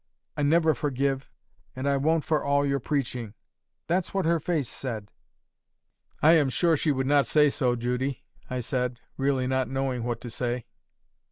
I never forgive, and I won't for all your preaching.' That's what her face said." "I am sure she would not say so, Judy," I said, really not knowing what to say.